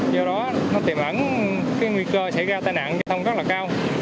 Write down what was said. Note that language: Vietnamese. do đó nó tìm ẩn nguy cơ xảy ra tai nạn giao thông rất là cao